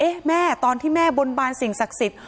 แม่ตอนที่แม่บนบานสิ่งศักดิ์สิทธิ